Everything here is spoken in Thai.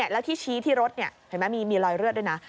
แล้วที่ชี้ที่รถเห็นไหมมีรอยเลือดด้วยนะ